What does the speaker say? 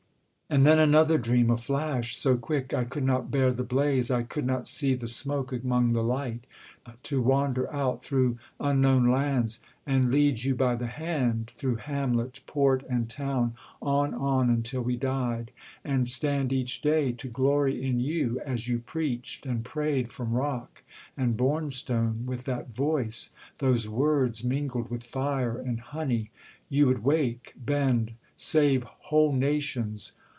... And then another dream; A flash so quick, I could not bear the blaze; I could not see the smoke among the light To wander out through unknown lands, and lead You by the hand through hamlet, port, and town, On, on, until we died; and stand each day To glory in you, as you preached and prayed From rock and bourne stone, with that voice, those words, Mingled with fire and honey you would wake, Bend, save whole nations!